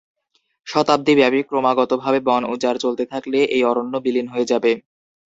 শতাব্দী ব্যাপী ক্রমাগতভাবে বন উজাড় চলতে থাকলে এই অরণ্য বিলীন হয়ে যাবে।